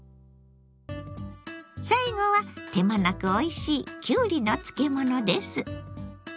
最後は手間なくおいしいきゅうりの漬物です。